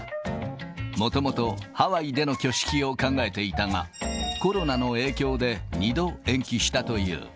もともとハワイでの挙式を考えていたが、コロナの影響で２度延期したという。